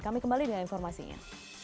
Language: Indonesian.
kami kembali dengan informasinya